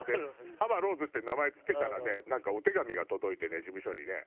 浜ローズって名前付けたらねなんかお手紙が届いてね事務所にね。